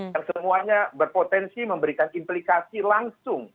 yang semuanya berpotensi memberikan implikasi langsung